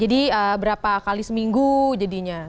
jadi berapa kali seminggu jadinya